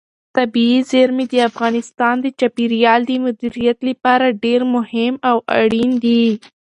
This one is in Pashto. طبیعي زیرمې د افغانستان د چاپیریال د مدیریت لپاره ډېر مهم او اړین دي.